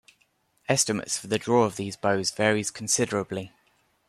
Estimates for the draw of these bows varies considerably.